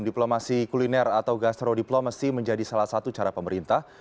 diplomasi kuliner atau gastrodiplomasi menjadi salah satu cara pemerintah